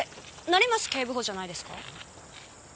成増警部補じゃないですか？